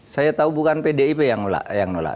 saya tahu bukan pdip yang nolak